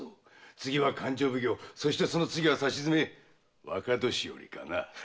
次は勘定奉行そしてその次はさしずめ若年寄かな。